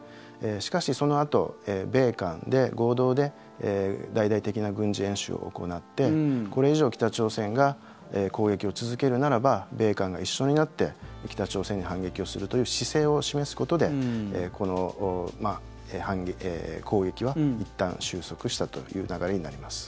しかし、そのあと米韓で合同で大々的な軍事演習を行ってこれ以上、北朝鮮が攻撃を続けるならば米韓が一緒になって北朝鮮に反撃をするという姿勢を示すことでこの攻撃はいったん終息したという流れになります。